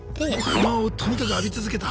不満をとにかく浴び続けた。